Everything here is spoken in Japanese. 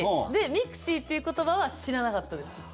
でミクシィっていう言葉は知らなかったです。